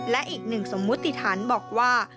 และอีกหนึ่งสมมุติฐานบอกว่า